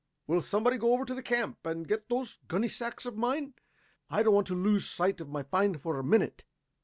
Will somebody go over to the camp and get those gunny sacks of mine? I don't want to lose sight of my find for a minute.